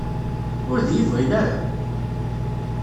Ur d-iyi-bɣin ara?